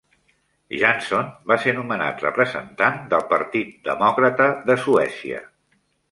Jansson va ser nomenat representant del Partit Demòcrata de Suècia.